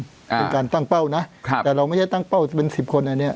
เป็นการตั้งเป้านะแต่เราไม่ใช่ตั้งเป้าจะเป็นสิบคนอันนี้